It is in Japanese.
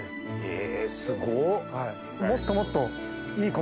え！